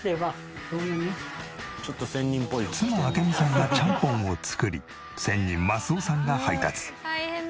妻明美さんがちゃんぽんを作り仙人益男さんが配達。